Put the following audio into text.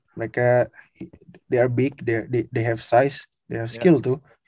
mereka besar mereka punya size mereka punya skill tuh